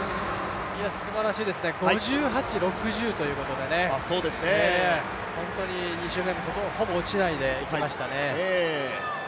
すばらしいですね５８、６０ということでね、本当に２周目以降ほぼ落ちないでいきましたね。